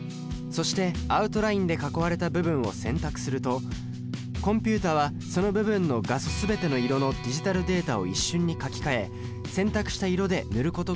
そしてアウトラインで囲われた部分を選択するとコンピュータはその部分の画素全ての色のディジタルデータを一瞬に書き換え選択した色で塗ることができます。